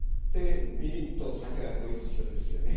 みりんと酒がご一緒ですよね。